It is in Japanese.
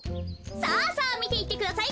さあさあみていってください。